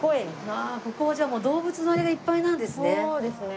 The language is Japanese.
ああここはじゃあもう動物のあれがいっぱいなんですね。